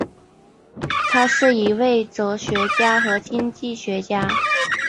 他是一位哲学家和经济学家。